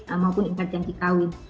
atau perjanjian dikawin